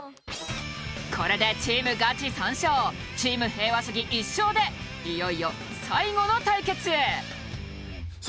これでチームガチ３勝チーム平和主義１勝でいよいよ最後の対決さあ